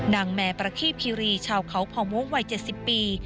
นางแม่ประขี้พิรีชาวเขาพ่อโมงวัย๗๐ปี